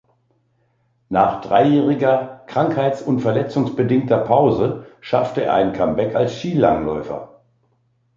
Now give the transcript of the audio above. Nach dreijähriger krankheits- und verletzungsbedingter Pause schaffte er ein Comeback als Skilangläufer.